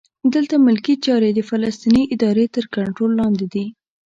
دلته ملکي چارې د فلسطیني ادارې تر کنټرول لاندې دي.